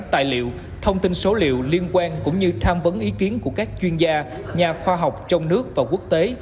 tài liệu thông tin số liệu liên quan cũng như tham vấn ý kiến của các chuyên gia nhà khoa học trong nước và quốc tế